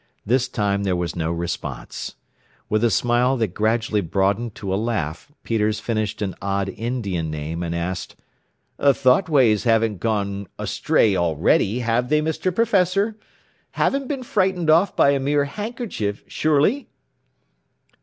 This time there was no response. With a smile that gradually broadened to a laugh Peters finished an odd Indian name, and asked, "The thought waves haven't gone astray already, have they, Mr. Professor? Haven't been frightened off by a mere handkerchief, surely?"